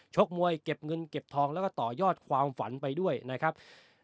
ชกมวยเก็บเงินเก็บทองแล้วก็ต่อยอดความฝันไปด้วยนะครับ